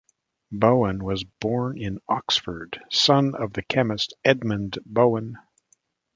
Bowen was born in Oxford, son of the chemist Edmund Bowen.